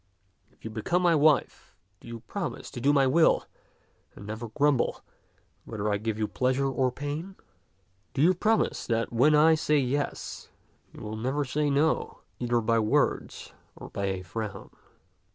If you become my wife, do you promise to do my will and never grumble, whether I give you pleasure or pain ? Do you promise that when I say yes, you will never say no, either by words or by a frown